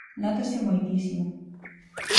Nótase moitísimo.